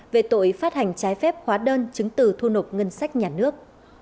về tội phát hành trái phép hóa đơn chứng từ thu nộp ngân sách nhà nước